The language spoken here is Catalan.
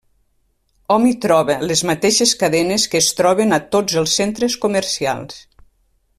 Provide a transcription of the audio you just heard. Hom hi troba les mateixes cadenes que es troben a tots els centres comercials.